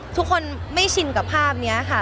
ทุกคนไม่ชินกับภาพนี้ค่ะ